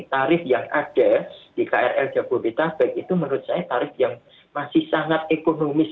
tarif yang ada di krl jabodetabek itu menurut saya tarif yang masih sangat ekonomis